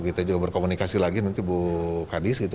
kita juga berkomunikasi lagi nanti bu kadis gitu